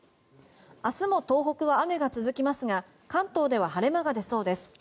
明日も東北は雨が続きますが関東では晴れ間が出そうです。